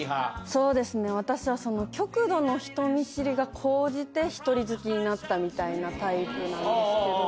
そうですね私は。が高じて１人好きになったみたいなタイプなんですけど。